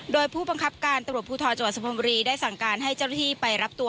โดยผู้บังคับการตำรวจภูทรจังหวัดสุพรรณบุรีได้สั่งการให้เจ้าหน้าที่ไปรับตัว